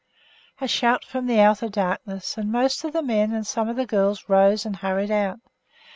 A shout from the outer darkness, and most of the men and some of the girls rose and hurried out.